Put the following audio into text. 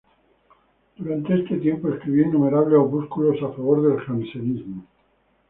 Durante este tiempo escribió innumerables opúsculos a favor del jansenismo.